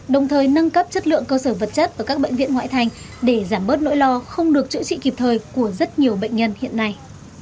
đồng thời nâng cấp chất lượng cơ sở vật chất ở các bệnh viện ngoại thành để giảm bớt nỗi lo không được chữa trị kịp thời của rất nhiều bệnh nhân hiện nay